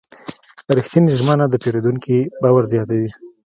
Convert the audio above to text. رښتینې ژمنه د پیرودونکي باور زیاتوي.